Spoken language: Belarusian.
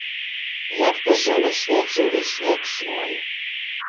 Як ты жыў на свеце ўвесь век свой?